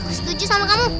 aku setuju sama kamu